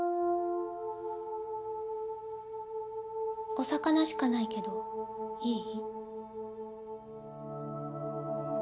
お魚しかないけどいい？